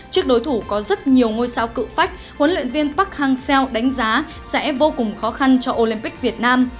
trước đối thủ có rất nhiều ngôi sao cựu phách huấn luyện viên park hang seo đánh giá sẽ vô cùng khó khăn cho olympic việt nam